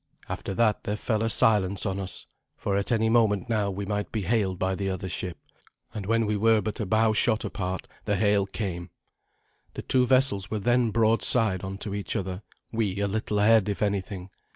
After that there fell a silence on us, for at any moment now we might be hailed by the other ship. And when we were but a bow shot apart the hail came. The two vessels were then broadside on to each other, we a little ahead, if anything.